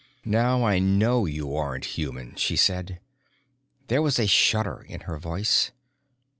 "Now I know you aren't human," she said. There was a shudder in her voice.